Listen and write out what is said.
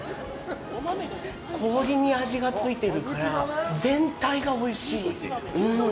氷に味がついてるから全体がおいしい。